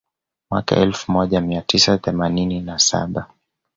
Mwaka elfu moja mia tisa themanini na saba